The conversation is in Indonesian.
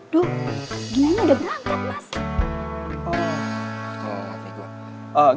duh gianya udah berangkat mas